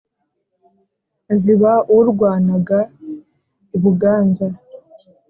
ziba urwanaga i buganza